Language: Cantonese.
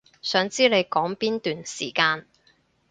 想知你講邊段時間